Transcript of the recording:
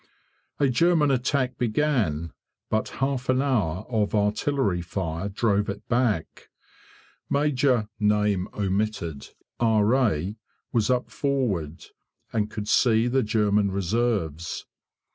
A German attack began, but half an hour of artillery fire drove it back. Major , R.A., was up forward, and could see the German reserves.